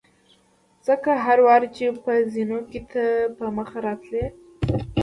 ځکه هر وار چې به په زینو کې ته په مخه راتلې.